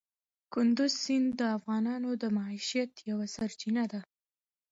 کندز سیند د افغانانو د معیشت یوه سرچینه ده.